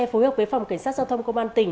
phối hợp với phòng cảnh sát giao thông công an tỉnh